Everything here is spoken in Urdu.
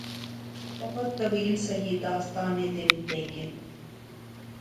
بہت طویل سہی داستانِ دل ، لیکن